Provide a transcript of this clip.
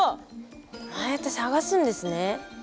ああやって探すんですね。